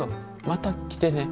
また来てね。